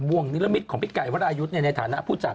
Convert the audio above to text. วงนิรมิตของพี่ไก่วรายุทธ์ในฐานะผู้จัด